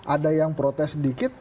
ada yang protes sedikit